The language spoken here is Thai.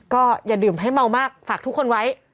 ก็อย่าดื่มให้เมามากฝากทุกคนไว้